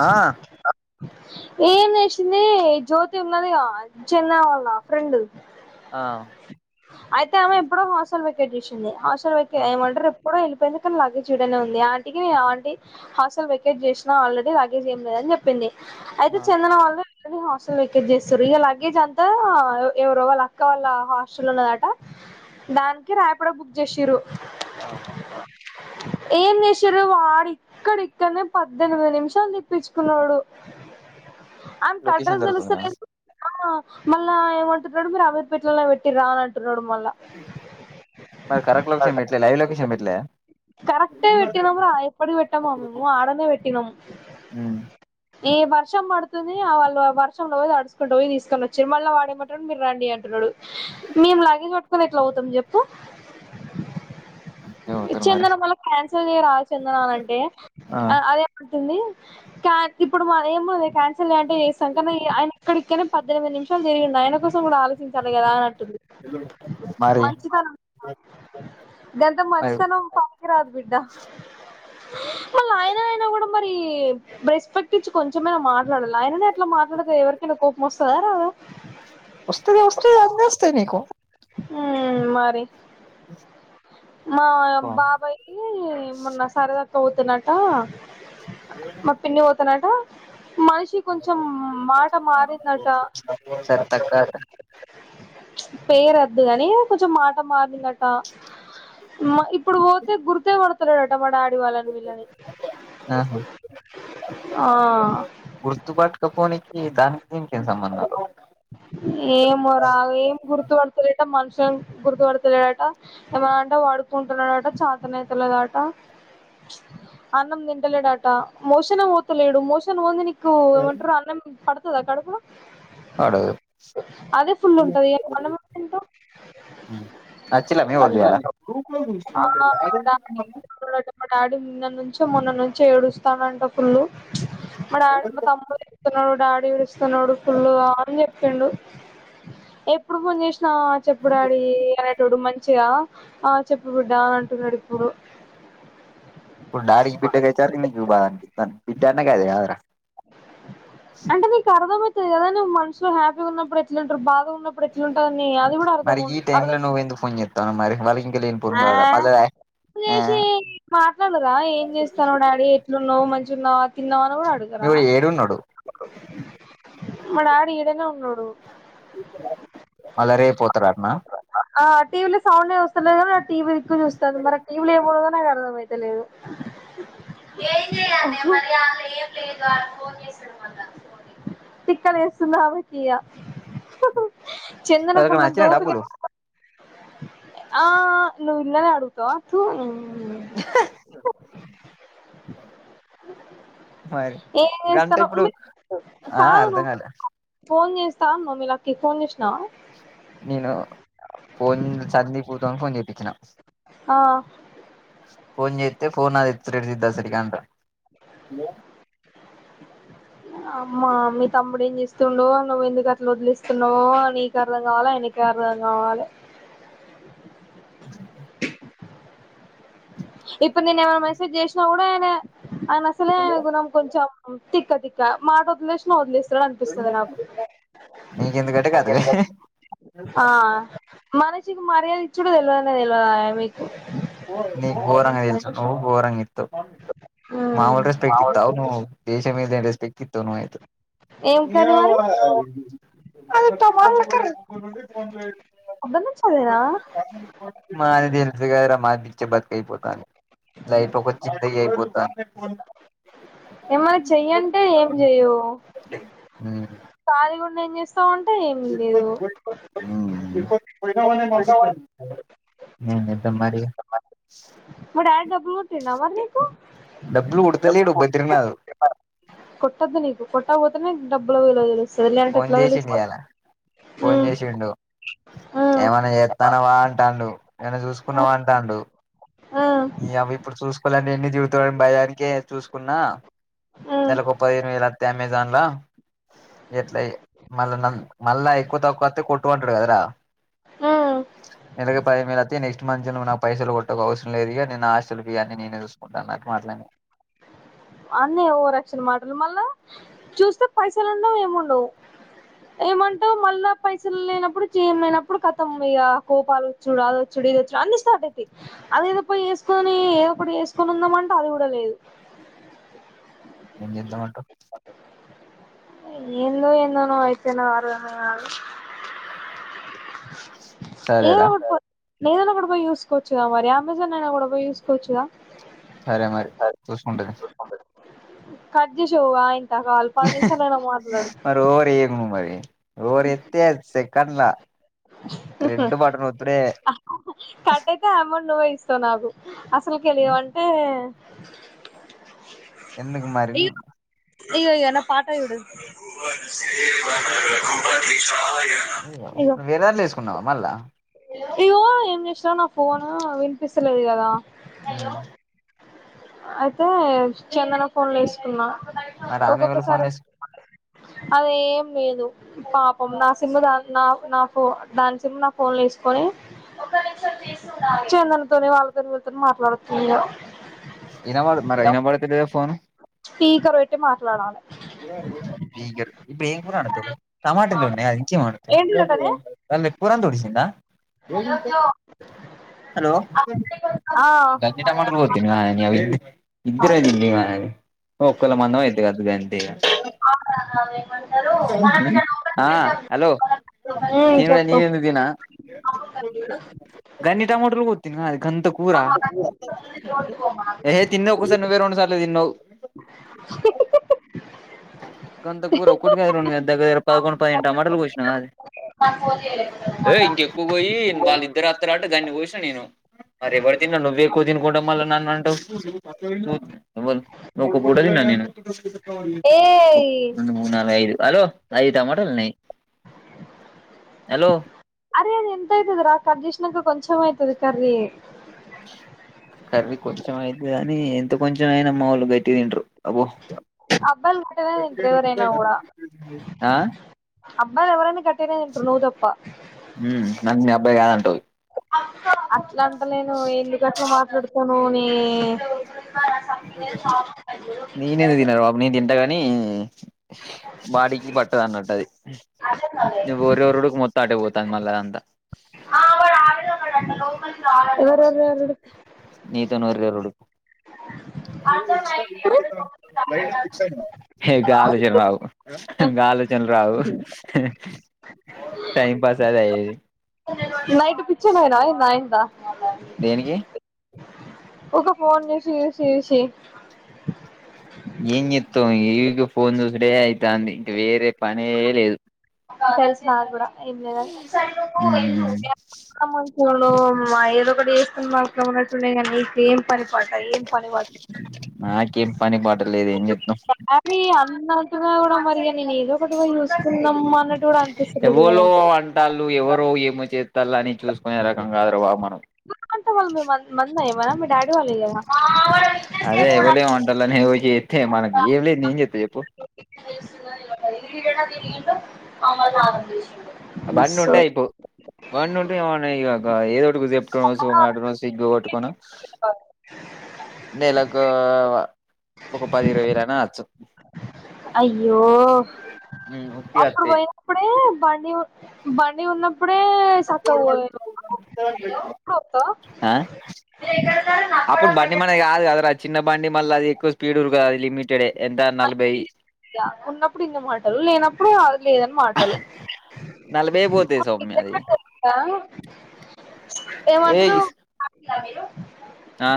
ఆ ఏం చేసింది జ్యోతి ఉన్నదిగా చందన వాళ్ళ ఫ్రెండ్ ఆ అయితే ఆమె ఎప్పుడో హాస్టల్ వెకేట్ చేసింది హస్ట. ప్రోకే ఆ ఏమంటారు. వెళ్ళిపోయింది కని లగేజ్ ఇడనే ఉంది ఆంటీ కి ఆంటీ హాస్టల్ వెకేట్ చేసినా ఆల్రెడీ లగేజ్ ఏం లేదని చెప్పింది. అయితే ఆ చందన వాళ్లను. హాస్టల్ వెకేట్ చేస్తుంరు ఇక లగేజ్ అంతా ఎవరో వాళ్ళు అక్క వాళ్ళ హ స్కూల్ లలో ఉన్నదట దానికి రాపిడో బుక్ ఇచ్చిండ్రు. అవును. ఏం చేసిర్రు వాడిక్కడిక్కడనే పద్దెనిమిది నిమిషాలు తిప్పించుకున్నాడు. అంత లొకేషన్ అడ్రెస్స్ దొరకకనా తెలుస్తలేదు. మళ్ళా ఏమంటున్నాడు మీరు అమీర్ పేటలో పెట్. రాను అంటున్నాడు. మరి కరెక్ట్ లొకేషన్ పెట్లే లైవ్ లొకేషన్ పెట్లే కరెక్టే పెట్టినం రా ఎప్పటికీ పెట్టమా మేం ఆడానే పెట్టినాం. ఉమ్ ఈ వర్షం పడుతుంది ఆ వాళ్ళ ఆ వర్షంలో తడుచుకుంటు పోయి తీసుకొని వచ్చిండ్రు మళ్ళ వాడేమంటుడు మీరు రండి అంటున్నాడు. మేము లగేజ్ పట్. ఎట్లా అవుతుంది చెప్పు. ఎవతరు మరి చందన మళ్ళ క్యాన్సల్ చేయరాదు చందన అంటే ఆ అది ఎమంటుంది. క ఇప్పుడు మరి [unintelligible] క్యాన్ అసలు అంటే ఏ సంక ఆయనకు ఇక్కడిక్కనే పద్దెనిమిది నిమిషాలు తిరిగిండు ఆయన కోసం కూడా ఆలోచించాలి. ఇక రాధంట్. మరి మంచితనం గంత మరి మంచితనం పనికిరాద్ బిడ్డ. అహ్ ఈ రెస్పెక్ట్ ఇచ్చి కొంచెమైన మాట్. వాళ్ళు ఆయననే అట్లా మాట్లాడతే ఎవరికైనా కోపమొస్తదా. ఆహ్. ఓస్తాది ఓస్తాది అన్ని ఓస్తాయి నీకు. ఉమ్ మరి. ఉమ్. మా బాబాయికి మొన్న సరదాక్. పోతున్నాట. మా పిన్ని పోతేన్నాట. మనిషి కొంచెం మాట మారిందట. సరే తక్క పేరోద్దు గానీ కొంచెం మాట మారిందట. మా ఇప్. ఇప్పుడు పోతే గుర్తే పడు. సరే అంట మా డాడ్. ఆ ఆ గుర్తుబాటు కపోడానికి దానికి దీనికికం సంబంధం ఆ ఏం రా ఏం గుర్తుపడుతులేట మనుషు గుర్తుపడతలేడట ఏమంట వాడుకుంటున్నాడట చాతనతలేదట అన్నం తింటలేడట మోషన్ పోతలేడు మోషన్ పోంది మంట అన్నం పడ దా కడుపు అవుడు ఉంటది అన్నం ఎట్ల తింటావ్ అచ్చలమ ఉదాల ఆ డాడీ మా డాడీ నిన్న నుంచో మొన్న నుంచి ఏడుస్తానంట ఫుళు మా డాడ మ తమ్మ చెస్తుతున్నారు డాడ అ విడస్తా నోడు ఫుల్ అ చెప్పండు ఎప్పుడు పందే ఆ చెప్పుడాడి అనేటోడు మంచిగా ఆ చెప్ప బిడ్డా అని అంటున్నాడు ఇప్పుడు డారికి పిఠగాచారుకి బాధనికితాని విట్టాన్న క అదేర అర్థమవుతుది కదావ్ మనుషలో హ్యాపీగా ఉన్నప్పుడుట్ంటారు బా ప్పుడు ఎట్లుంటందని అది కూడా అ మరి ఈ టైమ్ లో నువ్వెందుకు ఫోన్ చేత్తానవ్ మరి వాళ్ళకి ఇంకా లేనిపోని అ బాధ మళ్ళా ఆ చేసి మాట్లాడరా ఏం చేస్తాను డాడీ ఎట్లున్నావు మంచి జునా తిన ఎడ అడుకరా ఇప్పుడు ఏడున్నడు మా డాడీ ఈడనే వున్నాడు మలరే పోతురారునా ఆ టీవీలో సౌండ్ వస్తు కానీ టీవీ ఎక్కువ చూస్తంది మరి టీవీ ఏమూడో నాకు అర్థ అయితలేదు తిక్క లేస్తుంది కాబట్టి ఇయ్య ఎవరికన్నా చందనకున్నంత అచ్చినయా ఓపిక డబ్బులు ఆ నువ్వు ఇల్లానే అడుగుతావా తూ మరి ఏం గంట చేస్తానో ఇప్పుడు ఆ కాదు అర్ధం నువ్వు కాలే ఫోన్ చేస్తా అన్నావ్ మి లక్కీ కి ఫోన్ చేసినవా నేను ఫోన్ చాందిని [unintelligible] చేప్పించిన ఆ ఫోన్ చేత్తే ఫోన్ నాది ఎత్తి [unintelligible] సరిగా అంట హలో అమ్మా మీ తమ్ముడు ఏం చేస్తుండో నువ్వు ఎందుకు అట్ల వదిలిస్తున్నావో నీకు అర్థం కావాల ఆయనకి అర్థం కావాలి స ఇప్పు నేను ఏమన్నా మనసజ్ చేసిన కూడా అనా అయన అసలే గుణం కొంచెం తిక్క తిక్క మటావదిలేసిన వదిలేస్ నీకెందుకంటే కాదు లే ఆ మనిషికి మర్యాద ఇచ్చిడు తెల్వనే తెలవాదయే మిక్ నీకు గోరంగా తెలుసు అవ్ గోరంగే మ్ మాముూలు రెస్పెక్ ఇత్తవు నువ్వు దేశం మీద రెస్పెక్ ఇస్తావ్ నువ్వైతే ఏం కర్రీ మరి పొద్దున్నుంచి అదేనా మాది తేలిత్తేగదరా బిచ్చ బతుకు అయిపోతంది లైఫ్ ఒక జిందగీ అయిపోదంది ఏమన్నా చెయ్యంటే ఏం చెయవు కాలీ కూడ్ నెన్ చెస్ సొన్టే ఏమి లేదు ఏం చేద్దం మరి మా డాడీ డబ్బులు కొట్టిండా మరి నీకు డబ్బులు పుడతలేడు బద్రినాథ్ కొట్టద్దు నీకు కొట్టా పోతేనే డబ్బులు విలావ తెలుస్తు ఫోన్ చేసిండు ఇ యాలా ఫోన్ మ్మ్ చేసిండు మ్మ్ ఏమైన్నా చేస్తానవా అంటాండు నన్ను చూసుకున్నావా అంటాడు మ్మ్ నియవ్వ ఎపుడు చూస్ అలాంటివన్నీ తిగుతాని భయానికే చూసుకున్నా మ్మ్ నెలకో పదిహేను వేలు వత్తయ్ అమెజాన్ లో ఏట్ల ఐ మళ్ళ నాన్ మళ్ళ ఐ కొత్తకుతే కొట్టు అంటారు గదా రా మ్మ్ ఎరాగ పైమేలాతే నెక్స్ట్ మధ్యానం నా పైసలు కొట్ట కొస్ లేదు ఇగ నేన్ నా హాస్టల్ ఫేస్ అన్ని నేను చెస్ వద్దు అన్నటు మాట్లాడినా అన్నీ ఓవరాక్షన్ మాటలు మళ్ళా చూస్తే పైసలు ఉన్నావు ఏముండవు ఏమంటవు మళ్ళా పైసలు లేనప్పుడు చేం లేనప్పుడు కతం ఇక కోపాలు వచ్చుడు అదొచ్చడు ఇదొచ్చాడు అన్ని స్టార్ట్ అయితాయి అది ఏదో పో వేసుకొని ఏదోప్పుటి వేసుకొని ఉందామంటే అది కూడా లేదు ఏంచేదం అంటుండు ఏందో ఏందో నువ్వైతే నాకు అర్ధం కాదు ఏయ్ సరేరా ఓక్ నేనైనా కూడాయి చూసుకోవచ్చుగా మరి అమెజాన్ అయినా కూడా పోయి చూసుకోవచ్చుగా సరే మరి చూసుకుంటది కట్ జేసేవ్ వాయ్ నాకు అ పది నిమిషాలనా మాట్లాడు మరి ఓవర్ చేయకు నువ్వు మరి ఓవర్ చెత్తె అది సే కడలా కాట్టతే ఆ అమౌ నాగు అసల్కే లేవు అంటే అ ఎందుకుమరి ఇగో ఇగో నా పాట చూడు ఇగో వేరే దంట్ల ఏసుకున్నావా మల్లా ఇగో ఏం చేసిన నా పోను వినిపిించస్తులేదు కదా హ్మ్మ్ అయితే చందన ఫోన్లు వేసుకున్నా మరి ఆమె ఎవళ ఫోన్ ఒక్కొక్కసారి ల ఏసు అదేం లేదు పాపం నా సిమ్ దా నా నా ఫో దాని సిమ్ నా ఫోన్ లో వేసు ని చందనతోని వాళ్ళతోని వీళ్ళతోని మాట్లాడుతున్నారు ఇనా పడదు మరి ఇనా వాడుత లేద ఫోన్ స్పీకర్ పెట్టి మాట్లాడలే ఈగల్ ఇప్పుడు ఏం కూర అండుతావు టమాటలు ఉన్నాయా ఇంకేం ఏంటిదటనే అండుతావు కురంత ఓడిసిందా హలో ఆ గన్ని టమాటలు కొతినీ గదే ఇద్దరండి ఈమ ఒఓక్కల మందమైతది కావచ్చు గంతే ఇగ ఆ హలో ఉమ్ తన్డ చెప్పు నవే దిన గనిీ టమోటర్తనా అది అంత కూరా ఏ తిన్నవ ఒకసార్ నువ్వేరం సార్లు తిన్నవ్ అంత కూర ఒక్కటి కాదు దగ్గ దగ్గర పదకొండు పదిహేను టమాటలు కోసినాను కాదు ఏ ఇంకెక్కువ కోయి వాళ్ళ ఇద్దరు వస్తారు అట గాన్ని కోసిన నేను మరి ఎవరు తిన్నారు నువ్వే ఎకో తినుకుంట మల్ల నన్ను అంటావ్ ఎవల్ ఒక పూట తిన్న నేను [unintelligible] ఏయ్ రడు మూ నాలుగు ఐదు హలో ఐదు టమాటాలున్నయి హలో అరే అది ఎంత అవుతుది రా కర్డిషన్కు కొంచెం అయితు కర్రీ కర్రీ కొంచెం అయితుదని కాని ఎంత కొంచెం అయినా మావాలు గట్టి తిండారు అబ్బాయాలు కట్టనే నింట ఎవరైనా కూడా ఆ అబ్బాలు ఎవరైనా గట్టిగానే తింటారు నువ్వు తప్ప అం వద్దను అట్లా అంట లేను ఎందుకు అట్లా పెడుతను నే నేనెందుకు తినను నేను తింటా కానీ నే నే బాడికి పట్టదు అన్నట్టుది ను వరెవరుడుకి మొత్తంఅటే పోతు తా మళ్ళ అంతా ప లోపలి ఎవరు ఎవరు లోచన రావులోచన రావు [unintelligible] టైమ్ పాస్ అదే ఇది నైట్ పిచ్చెనాయిన నాయిందా దేనికి ఒక ఫోన్ [unintelligible] ఏం చేతవ్ ఇదు ఫోన్ చూసేడే అయితాంది ఇంకా వేరే పని లేదు తెలుసు నా కూడా [unintelligible] మ్మ్ ఏదో ఒకటి చేసుకొని ఇక ఏం పని బట ఏం పని బాట నాకేం పని బాట అవి అన్న మరిగ నేను ఏదో వస్తోంది అమా అన్నట్టు కూడా అనుపిస్తులేదు ఎవలో కాదా తల్లని చూసుకునే రకం కాదురు బాబు మనం వల్లమ్మ డాడ్ [inaudible] ఎతే మనది ఏం లేదు ఏం చెప్పేది చెప్పు [inaudible] బండి సో ఉంటే అయిపో బండి ఉంటే ఏమన్నా ఇ ఏదో ఒకటి చెప్పు. ఒక రోజు మడు రోజు సిగ్గు గట్టుకను నెలకు ఒక పది ఇరవై వేలనా వచ్చ అయ్యో హ్మ్. అప్పుడు పోయినప్పుడే బండి బండి ఉన్న అప్పుడు బండి మనది కాదు కదరా చిన్న బండి మళ్ళీ అది ఎక్కుసు. పీడుర్గాది లిమిటెడ్ అ ఉన్నప్పుడు ఇన్న మాటలు లేనప్పుడే లేదన్ మాటలు నలభై పోతది సౌమ్య అది ఏమంటరు సమీరు అ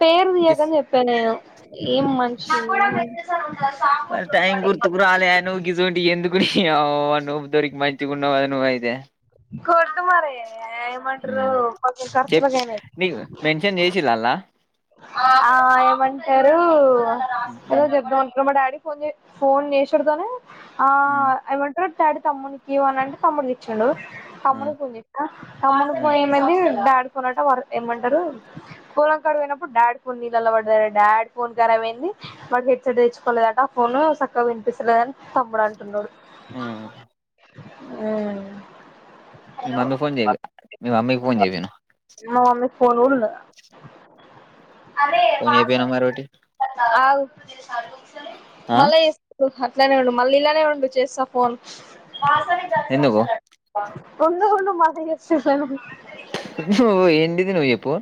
పేరు తీయకని చెప్పాను నేను ఏ మ సాబ మరి ర గు దోరికి మంచిగున్నవ నువ్వు అయితే కొర్ మార ఏమంటారో ఉమ్ పొద్దున ఖర్చులు చెప్ కైనాయి. నీకు మెన్షన్ చేసిల్లా ఆ ఏమంటారు అల్లా ద అక్రమా డాడి కొ ఫోన్ నేచడతోనే. ఆ ఉమ్ యింట తాడు తమ్ముడికి అని అంటే తమ్ముడికి ఇచ్చాండు అమ్ను ఉమ్ పజ అమ్మను ప ఉమ్ మ డా వారు ఏమంటారు కూలం కాడుయినా డాడ్ ఫోన్ నీళ్ళలా పడద డాడ్ ఫోన్ కర అయింది వాళ హెడ్ సెట్ తెచ్చుకోలేదట ఫోన్ చక్కగా వినిపిస్తలేదని తమ్ముడు అంటున్నాడు. ఉమ్ అవు మీ మమ్మీ ఫోన్ చెయ మీ మమ్మీకి ఫోన్ చెపిన్ మా మమ్మీ ఫోన్ కూడ్ ఉందా అదే ఫోన్ వాస చేపియనవ్ మరి ఒకటి ది చాలు ఆ మళ్ళా [unintelligible] ఇట్లానే ఉండు మళ్ళీ ఇలానే ఉండు చేస్తా ఫోన్ ఎ నువు కొన్న ఉండు [unintelligible] నిజంగా చెప్పు